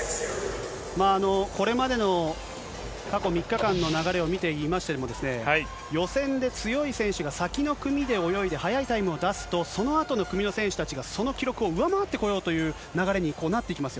これまでの過去３日間の流れを見ていましても、予選で強い選手が先の組で泳いで、速いタイムを出すと、そのあとの組の選手たちがその記録を上回ってこようという流れになってきま